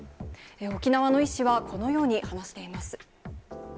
沖縄の医師はこのように話しています。